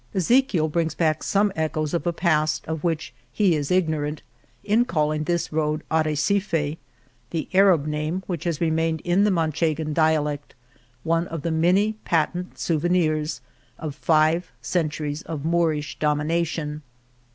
Ezechiel brings back some echoes of a past of which he is ignorant, in calling this road arrecife, the Arab name which has remained in the Manchegan dialect, one of the many patent souvenirs of five centuries of Moorish domi nation.